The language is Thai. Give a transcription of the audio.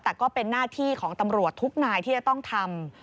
แต่ก็เป็นหน้าที่ของตำรวจทุกนายที่จะต้องทำ